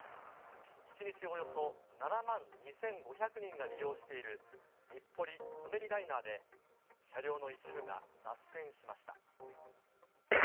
１日およそ７万２５００人が利用している日暮里・舎人ライナーで、車両の一部が脱線しました。